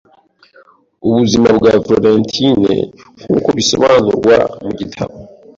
ubuzima bwa Florentine nkuko bisobanurwa mu gitabo